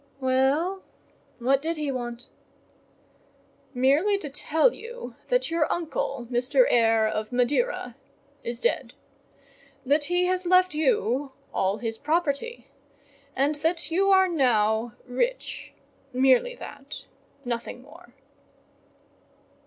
"Well, what did he want?" "Merely to tell you that your uncle, Mr. Eyre of Madeira, is dead; that he has left you all his property, and that you are now rich—merely that—nothing more."